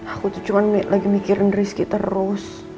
aku tuh cuma lagi mikirin rizky terus